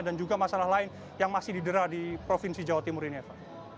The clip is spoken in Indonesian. dan juga masalah lain yang masih didera di provinsi jawa timur ini eva